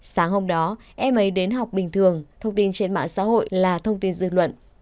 sáng hôm đó em ấy đến học bình thường thông tin trên mạng xã hội là thông tin dư luận